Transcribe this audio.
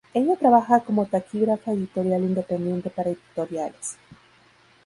Ella trabaja como taquígrafa-editorial independiente para editoriales.